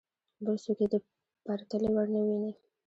بل څوک یې د پرتلې وړ نه ویني.